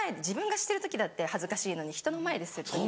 自分がしてる時だって恥ずかしいのに人の前でする。